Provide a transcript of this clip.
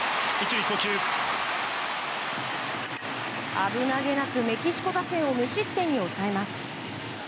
危なげなくメキシコ打線を無失点に抑えます。